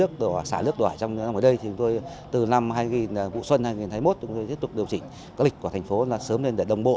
thì từ năm vụ xuân hai nghìn hai mươi một chúng tôi tiếp tục điều chỉnh các lịch của thành phố sớm lên để đồng bộ